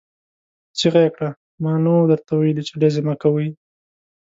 چيغه يې کړه! ما نه وو درته ويلي چې ډزې مه کوئ!